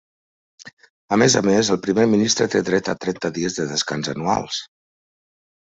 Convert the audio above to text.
A més a més el primer ministre té dret a trenta dies de descans anuals.